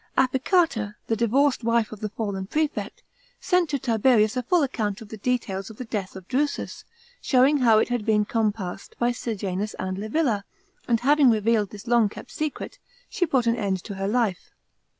Apicata, the divorced wife of the fallen prefect, sent to Tiberius a full account of the details of the death of Drusus, showing how it had been com passed by Sejanus and Livilla ; and having revealed this long kept secret, she put an end to her life.